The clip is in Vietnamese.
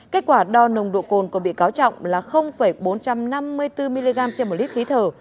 kết quả đo nồng độ cồn của bị cáo trọng là bốn trăm năm mươi bốn mg trên một lít khí thở